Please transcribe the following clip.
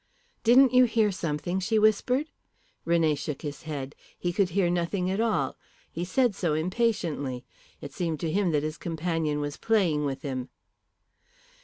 "Didn't you hear something?" she whispered. René shook his head. He could hear nothing at all. He said so impatiently. It seemed to him that his companion was playing with him.